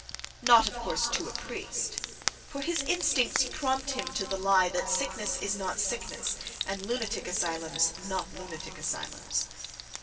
Not, of course, to a priest: for his instincts prompt him to the lie that sickness is not sickness and lunatic asylums not lunatic asylums.